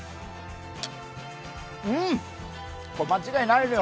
うん、間違いないのよ。